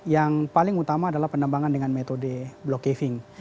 yang paling utama adalah penambangan dengan metode block caving